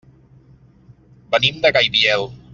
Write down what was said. Venim de Gaibiel.